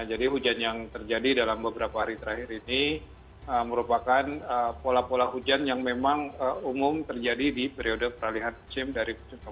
jadi hujan yang terjadi dalam beberapa hari terakhir ini merupakan pola pola hujan yang memang umum terjadi di periode peralihan musim dari musim kemarau ke musim penghujan